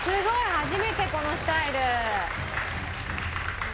初めてこのスタイル。